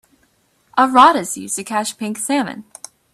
A rod is used to catch pink salmon.